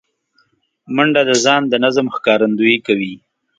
منډه د ځان د نظم ښکارندویي کوي